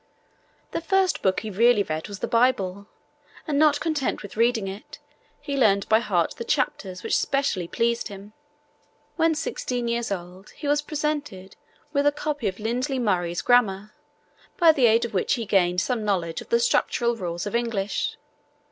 The first book he really read was the Bible, and not content with reading it, he learned by heart the chapters which specially pleased him. When sixteen years old he was presented with a copy of Lindley Murray's Grammar, by the aid of which he gained some knowledge of the structural rules of English.